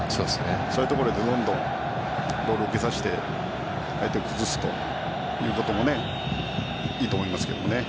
そういうところでボールを受けさせて相手を崩すということもいいと思いますけどね。